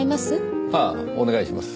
ああお願いします。